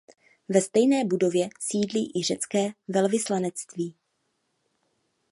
Ve stejné budově sídlí i řecké velvyslanectví.